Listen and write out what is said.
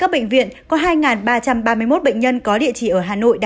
hai mươi chín bệnh viện của hà nội có hai bảy mươi bốn ca